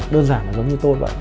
đơn giản là giống như tôi vậy